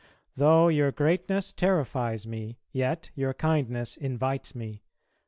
... Though your greatness terrifies me, yet your kindness invites me.